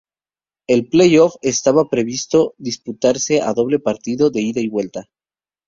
El "play-off" estaba previsto disputarse a doble partido, de ida y vuelta.